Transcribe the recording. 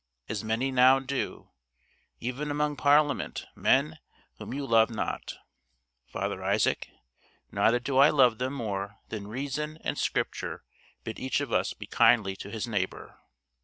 As many now do, even among Parliament, men, whom you loved not, Father Isaak, neither do I love them more than Reason and Scripture bid each of us be kindly to his neighbour.